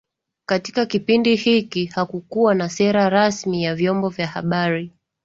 Katika kipindi hiki hakukuwa na sera rasmi ya vyombo vya habari